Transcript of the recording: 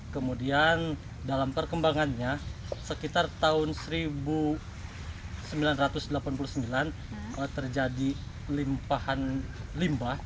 kemudian dalam perkembangannya sekitar tahun seribu sembilan ratus delapan puluh sembilan terjadi limpahan limbah